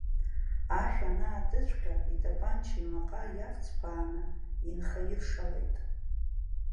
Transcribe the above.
Ашә анаатыҵәҟьа, итапанча имаҟа иавҵԥааны инхаиршалеит.